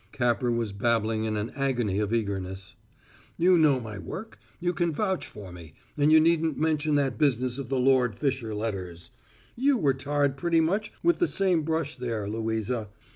Capper was babbling in an agony of eagerness. "You know my work. You can vouch for me, and you needn't mention that business of the Lord Fisher letters; you were tarred pretty much with the same brush there, Louisa.